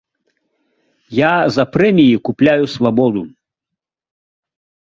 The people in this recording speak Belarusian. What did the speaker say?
Я за прэміі купляю свабоду.